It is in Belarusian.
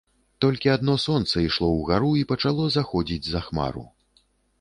Толькі адно сонца ішло ўгару і пачало заходзіць за хмару.